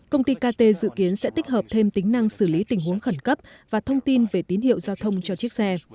công ty kt dự kiến sẽ tích hợp thêm tính năng xử lý tình huống khẩn cấp và thông tin về tín hiệu giao thông cho chiếc xe